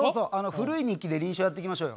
「古い日記」で輪唱やっていきましょうよ。